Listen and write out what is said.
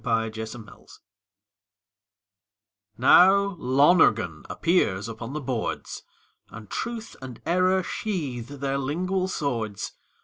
AN INTERPRETATION Now Lonergan appears upon the boards, And Truth and Error sheathe their lingual swords.